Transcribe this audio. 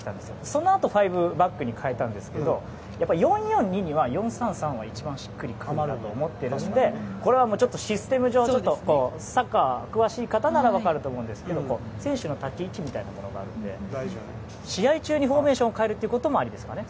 そのあと５バックに変えたんですけど４−４−２には４−３−３が一番しっかりはまると思っているのでこれはシステム上サッカーに詳しい方なら分かると思うんですけど選手の立ち位置みたいなものがあるので試合中のフォーメーションを変えるということもありですかね。